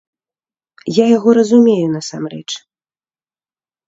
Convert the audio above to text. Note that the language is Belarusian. Я яго разумею, насамрэч.